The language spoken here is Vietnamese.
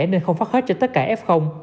nên không phát hết cho tất cả f